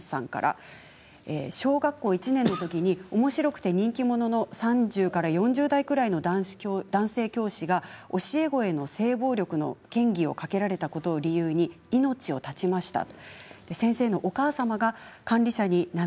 小学校１年のときにおもしろくて人気者の３０から４０代くらいの男性教師が教え子への性暴力の嫌疑をかけられたときに命を絶ちました。